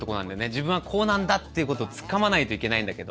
自分はこうなんだっていうことをつかまないといけないんだけど。